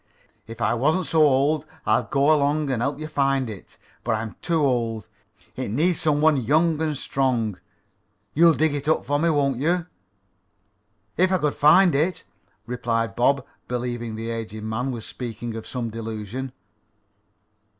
If I wasn't so old I'd go along and help find it. But I'm too old. It needs some one young and strong. You'll dig it up for me, won't you?" "If I could find it," replied Bob, believing the aged man was speaking of some delusion.